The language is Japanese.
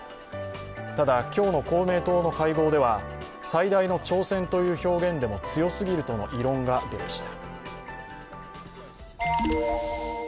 ただ、今日の公明党の会合では最大の挑戦という表現でも強すぎるとの異論が出ました。